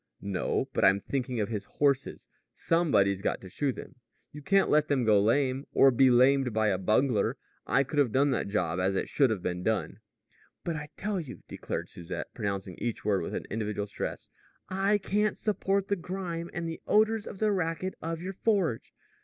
"No; but I'm thinking of his horses. Somebody's got to shoe them. You can't let them go lame or be lamed by a bungler. I could have done that job as it should have been done." "But I tell you," declared Susette, pronouncing each word with an individual stress, "I can't support the grime and the odors and the racket of your forge.